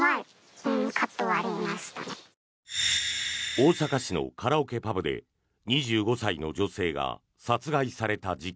大阪市のカラオケパブで２５歳の女性が殺害された事件。